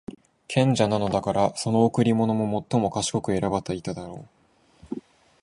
賢者なのだから、その贈り物も最も賢く選ばていただろう。